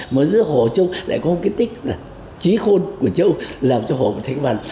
mà giữa hồ trâu lại có cái tích trí khôn của trâu làm cho hồ thành văn